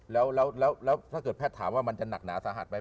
แล้วถ้าเกิดแพทย์ถามว่ามันจะหนักหนาสาหัสไหม